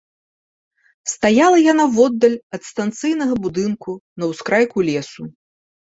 Стаяла яна воддаль ад станцыйнага будынку, на ўскрайку лесу.